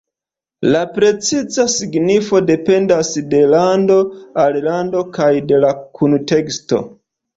La preciza signifo dependas de lando al lando kaj de la kunteksto.